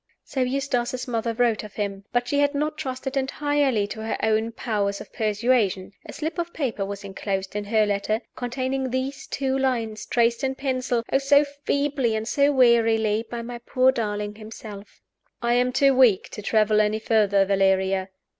So Eustace's mother wrote of him. But she had not trusted entirely to her own powers of persuasion. A slip of paper was inclosed in her letter, containing these two lines, traced in pencil oh, so feebly and so wearily! by my poor darling himself: "I am too weak to travel any further, Valeria.